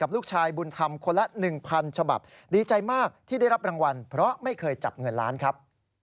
และได้รับรางวัลเพราะไม่เคยจับเงินหลานครับ